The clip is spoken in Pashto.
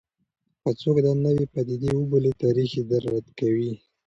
که څوک دا نوې پدیده وبولي، تاریخ یې رد کوي.